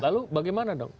lalu bagaimana dong